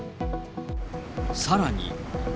さらに。